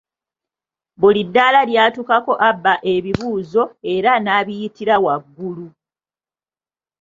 Buli ddaala lyatuukako abba ebibuuzo era nabiyitira waggulu.